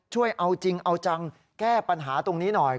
ช่วยเอาจริงเอาจังแก้ปัญหาตรงนี้หน่อย